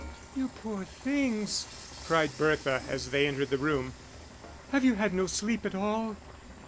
"You poor things," cried Bertha, as they entered the room. "Have you had no sleep at all?...